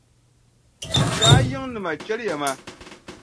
Saa yiŋnima chɛliya ma.